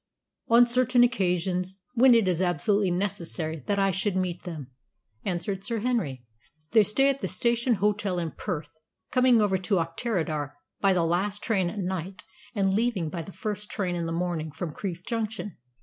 "On certain occasions, when it is absolutely necessary that I should meet them," answered Sir Henry. "They stay at the Station Hotel in Perth, coming over to Auchterarder by the last train at night and leaving by the first train in the morning from Crieff Junction.